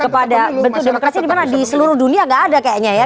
kepada bentuk demokrasi dimana di seluruh dunia gak ada kayaknya ya